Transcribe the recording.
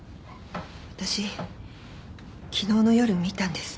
私昨日の夜見たんです。